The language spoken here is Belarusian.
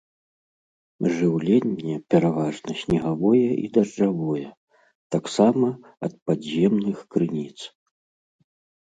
Жыўленне пераважна снегавое і дажджавое, таксама ад падземных крыніц.